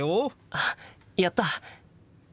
あっやった！